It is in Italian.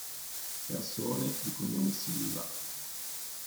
Persone di cognome Silva